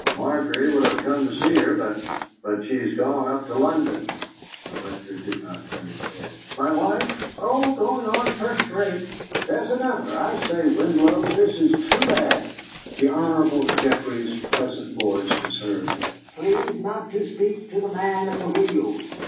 "Margery would have come to see her, but but she's gone up to London." The Rector did not turn his head. "My wife? Oh, going on first rate. There's another! I say, Winlow, this is too bad!" The Hon. Geoffrey's pleasant voice was heard: "Please not to speak to the man at the wheel!"